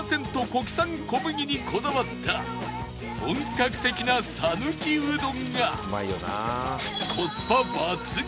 国産小麦にこだわった本格的な讃岐うどんがコスパ抜群！